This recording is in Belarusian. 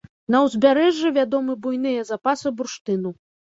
На ўзбярэжжы вядомы буйныя запасы бурштыну.